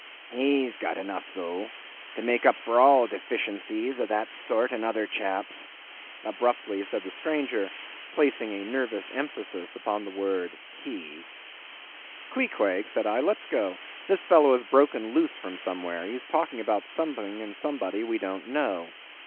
"He's got enough, though, to make up for all deficiencies of that sort in other chaps," abruptly said the stranger, placing a nervous emphasis upon the word he. "Queequeg," said I, "let's go; this fellow has broken loose from somewhere; he's talking about something and somebody we don't know."